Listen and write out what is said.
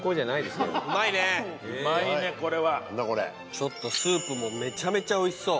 ちょっとスープもめちゃめちゃおいしそう。